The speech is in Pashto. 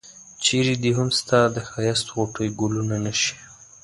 چرې دي هم ستا د ښایست غوټۍ ګلونه نه شي.